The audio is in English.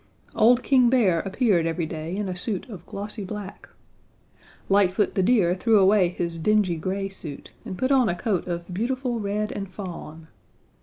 Old King Bear appeared every day in a suit of glossy black. Lightfoot the Deer, threw away his dingy gray suit, and put on a coat of beautiful red and fawn.